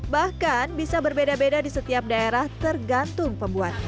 bahkan bisa berbeda beda di setiap daerah tergantung pembuatnya